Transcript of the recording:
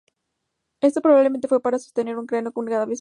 Esto probablemente fue para sostener un cráneo cada vez mayor.